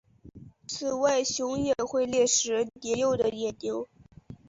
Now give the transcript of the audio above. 此外熊也会猎食年幼的野牛。